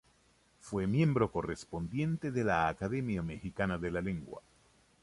Fue miembro correspondiente de la Academia Mexicana de la Lengua.